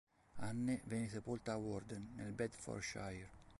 Anne venne sepolta a Warden, nel Bedfordshire.